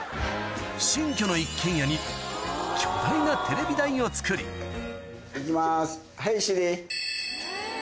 新居の一軒家に巨大なテレビ台を作り行きますヘイＳｉｒｉ。